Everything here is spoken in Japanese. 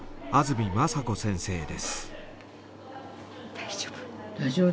大丈夫。